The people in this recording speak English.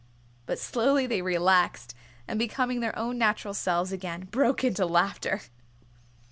But slowly they relaxed, and becoming their own natural selves again, broke into laughter.